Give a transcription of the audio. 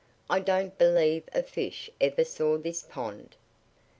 I don't believe a fish ever saw this pond."